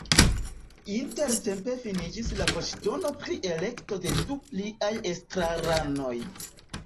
Intertempe finiĝis la voĉdono pri elekto de du pliaj estraranoj.